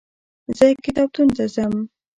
زه کتابتون ته ځم.